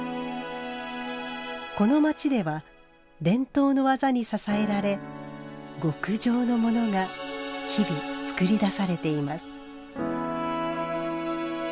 この街では伝統の技に支えられ極上のモノが日々作り出されています。